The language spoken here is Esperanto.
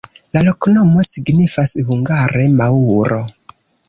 La loknomo signifas hungare: maŭro.